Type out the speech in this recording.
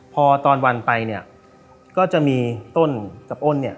พอตอนวันไปเนี่ยก็จะมีต้นกับอ้นเนี่ย